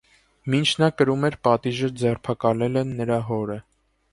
Մինչ նա կրում էր պատիժը, ձերբակալել են նրա հորը։